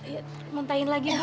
ya muntahin lagi bu ya terus